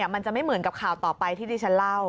มันจะไม่เหมือนกับข่าวต่อไปที่ดิฉันเล่า